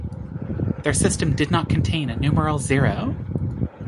Their system did not contain a numeral zero.